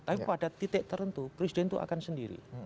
tapi pada titik tertentu presiden itu akan sendiri